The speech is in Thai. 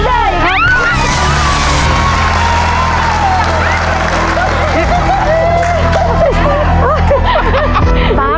ได้ได้ได้ได้ได้ได้ได้ได้ได้